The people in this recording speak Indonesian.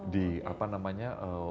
di apa namanya